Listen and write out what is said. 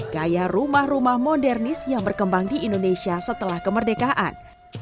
gaya rumah rumah modernis yang berkembang di indonesia setelah kemerdekaan